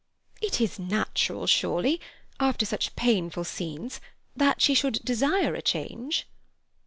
"It is natural, surely—after such painful scenes—that she should desire a change."